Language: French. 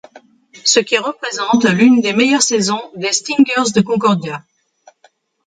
Ce qui représente l'une des meilleures saisons des Stingers de Concordia.